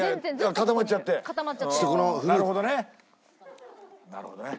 固まっちゃってあなるほどねなるほどね